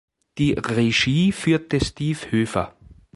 Die Regie führte Steve Hoefer.